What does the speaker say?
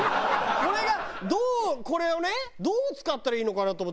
これがどうこれをねどう使ったらいいのかな？と思って。